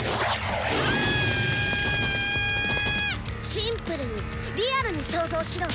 シンプルにリアルに想像しろ！